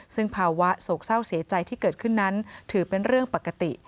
ซึ่งภาวะโศกเศร้าเสียใจที่เกิดขึ้นนั้นถือเป็นเรื่องปกติ